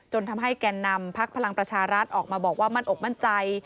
ทำให้แก่นำพักพลังประชารัฐออกมาบอกว่ามั่นอกมั่นใจ